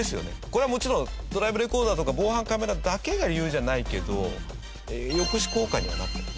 これはもちろんドライブレコーダーとか防犯カメラだけが理由じゃないけど抑止効果にはなってる。